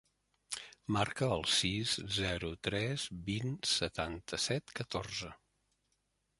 Marca el sis, zero, tres, vint, setanta-set, catorze.